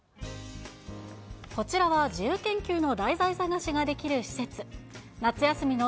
こちらは自由研究の題材探しができる施設。